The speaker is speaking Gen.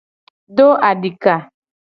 Do adika.